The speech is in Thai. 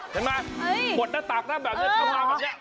เห็นไหมหมดหน้าตากหน้าแบบนี้ทำอะไรแบบนี้